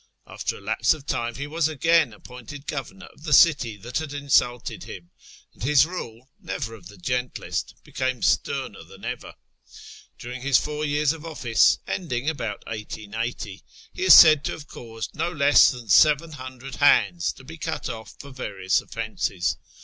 After a lapse of time he was again appointed governor of the city that had insulted him, and his rule, never of the gentlest, became sterner than ever. During his four years of office (ending about 1880) he is said to have caused no less than 700 hands to be cut off for various offences.